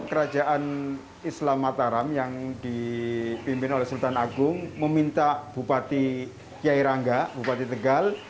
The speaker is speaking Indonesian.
kerajaan islam mataram yang dipimpin oleh sultan agung meminta bupati kiai rangga bupati tegal